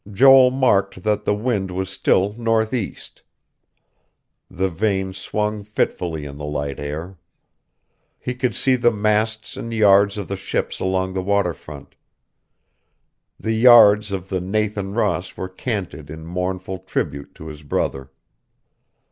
Joel marked that the wind was still northeast. The vane swung fitfully in the light air. He could see the masts and yards of the ships along the waterfront. The yards of the Nathan Ross were canted in mournful tribute to his brother.